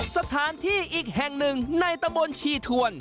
สถานที่อีกแห่งหนึ่งในตะบนชีทวน